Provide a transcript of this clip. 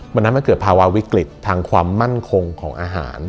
วันนั้นมันเกิดภาวะวิกฤตทางความมั่นคงของอาหาร